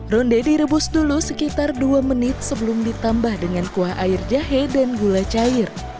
ronde direbus dulu sekitar dua menit sebelum ditambah dengan kuah air jahe dan gula cair